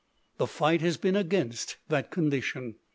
The fight has been against that condition.